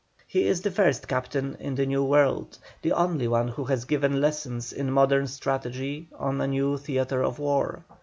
He is the first captain in the New World, the only one who has given lessons in modern strategy on a new theatre of war.